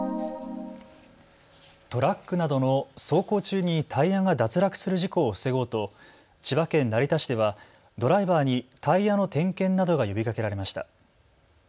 トラックなどの走行中にタイヤが脱落する事故を防ごうと千葉県成田市ではドライバーにタイヤの点検などが呼びかけられました。